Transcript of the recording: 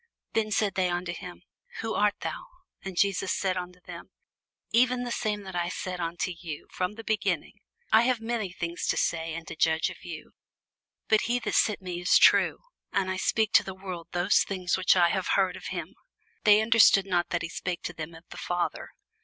Then said they unto him, Who art thou? And Jesus saith unto them, Even the same that I said unto you from the beginning. I have many things to say and to judge of you: but he that sent me is true; and I speak to the world those things which I have heard of him. They understood not that he spake to them of the Father.